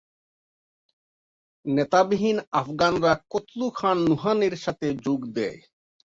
নেতাবিহীন আফগানরা কুতলু খান নুহানীর সাথে যোগ দেয়।